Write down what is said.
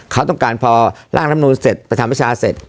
เขาต้องการพอร่างทธรรมนูญเสร็จประธาบาชาเสร็จ